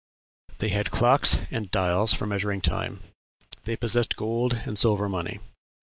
They had clocks and dials for measuring time. They possessed gold and silver money.